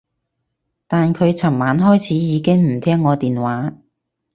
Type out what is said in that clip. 但佢噚晚開始已經唔聽我電話